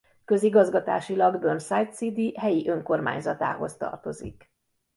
Közigazgatásilag Burnside City helyi önkormányzatához tartozik.